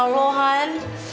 sama allah han